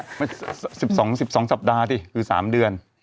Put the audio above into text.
มัน๑๒สัปดาห์สิคือ๓เดือน